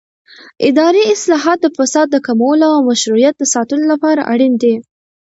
اداري اصلاحات د فساد د کمولو او مشروعیت د ساتلو لپاره اړین دي